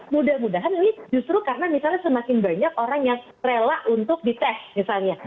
mudah mudahan ini justru karena misalnya semakin banyak orang yang rela untuk dites misalnya